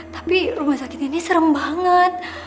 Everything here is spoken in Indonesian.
tapi rumah sakit ini serem banget